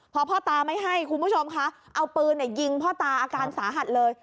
พอพ่อตาไม่ให้คุณผู้ชมคะเอาปืนยิงพ่อตาอาการสาหัสเลย